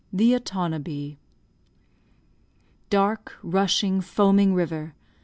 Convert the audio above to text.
THE OTONABEE Dark, rushing, foaming river!